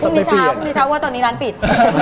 พรุ่งนี้เช้าพรุ่งนี้เช้าเพราะว่าตอนนี้ร้านปิด